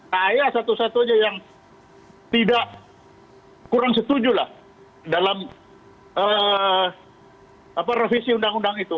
saya satu satunya yang tidak kurang setuju lah dalam revisi undang undang itu